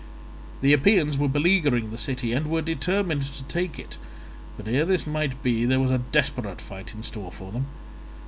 "The Epeans were beleaguering the city and were determined to take it, but ere this might be there was a desperate fight in store for them.